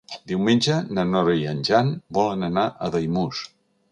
Diumenge na Nora i en Jan volen anar a Daimús.